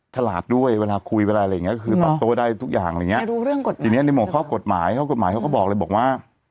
ฉลาดด้วยเวลาคุยเวลาอะไรอย่างเงี้ก็คือปรับตัวได้ทุกอย่างอะไรอย่างเงี้ไม่รู้เรื่องกฎหมายทีนี้ในห่วงข้อกฎหมายข้อกฎหมายเขาก็บอกเลยบอกว่า